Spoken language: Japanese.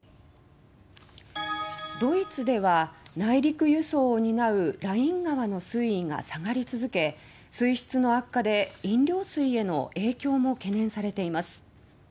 ドイツでは内陸輸送を担うライン川の水位が下がり続け水質の悪化で飲料水への影響も懸念されています。